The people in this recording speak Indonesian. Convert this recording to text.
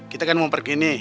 kita kan mau pergi nih